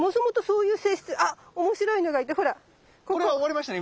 これは終わりましたね？